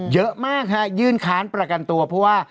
เยอะมากฮะยื่นค้านประกันตัวเพราะว่า